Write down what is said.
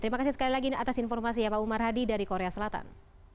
terima kasih sekali lagi atas informasi ya pak umar hadi dari korea selatan